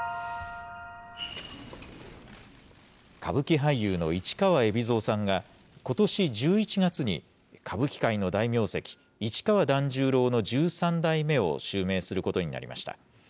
歌舞伎俳優の市川海老蔵さんが、ことし１１月に歌舞伎界の大名跡、市川團十郎の十三代目を襲名することになりました。